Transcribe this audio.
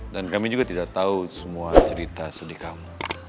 dan kami juga tidak tahu semua cerita sedih kamu